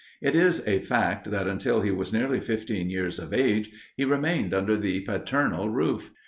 It is a fact, that until he was nearly fifteen years of age, he remained under the paternal roof.